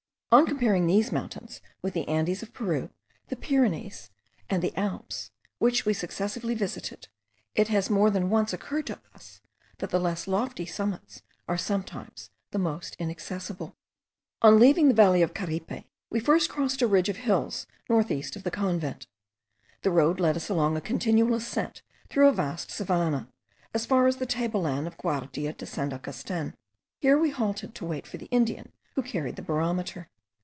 On comparing these mountains with the Andes of Peru, the Pyrenees, and the Alps, which we successively visited, it has more than once occurred to us, that the less lofty summits are sometimes the most inaccessible. On leaving the valley of Caripe, we first crossed a ridge of hills north east of the convent. The road led us along a continual ascent through a vast savannah, as far as the table land of Guardia de San Augustin. We there halted to wait for the Indian who carried the barometer.